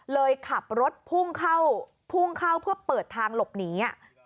เลยขับรถพุ่งเข้าเพื่อเปิดทางหลบหนี